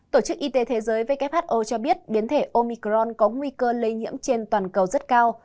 tổ chức y tế thế giới who cho biết biến thể omicron có nguy cơ lây nhiễm trên toàn cầu rất cao